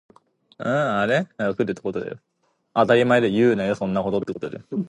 Spanish speakers are usually unable to understand Palenquero.